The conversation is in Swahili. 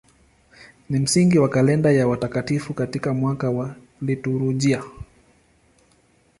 Ni msingi wa kalenda ya watakatifu katika mwaka wa liturujia.